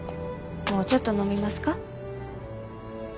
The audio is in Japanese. もうちょっと飲みますか？